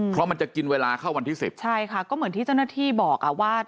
เพราะมันจะกินเวลาเข้าวันที่สิบใช่ค่ะก็เหมือนที่เจ้าหน้าที่บอกอ่ะว่า